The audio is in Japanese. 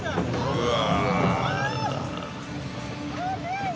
うわ！